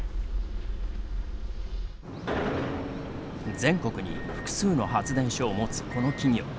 全国に複数の発電所を持つこの企業。